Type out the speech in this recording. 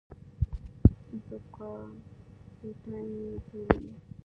ذوقافیتین یې بولي.